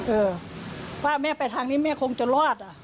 เออว่าแม่ไปทางนี้แม่คงจะรอดอ่ะ